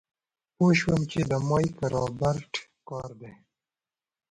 پوه شوم چې د مايک رابرټ کار دی.